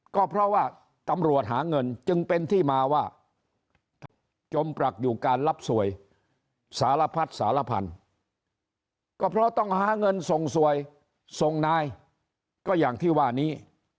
ก็เพราะว่าตำรวจหาเงินจึงเป็นที่มาว่าจมปรักอยู่การรับสวยสารพัดสารพันธุ์ก็เพราะต้องหาเงินส่งสวยส่งนายก็อย่างที่ว่านี้